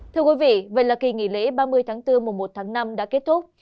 thưa quý vị vậy là kỳ nghỉ lễ ba mươi tháng bốn mùa một tháng năm đã kết thúc